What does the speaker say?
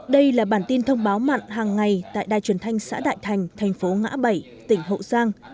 đây là bản tin thông báo mặn hàng ngày tại đài truyền thanh xã đại thành thành phố ngã bảy tỉnh hậu giang